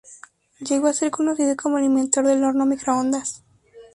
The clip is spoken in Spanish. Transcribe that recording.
Llegó a ser conocido como el inventor del horno microondas.